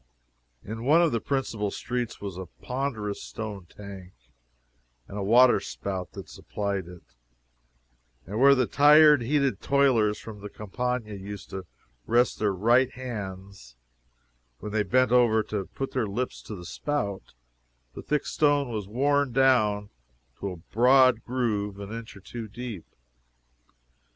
In one of the principal streets was a ponderous stone tank, and a water spout that supplied it, and where the tired, heated toilers from the Campagna used to rest their right hands when they bent over to put their lips to the spout, the thick stone was worn down to a broad groove an inch or two deep.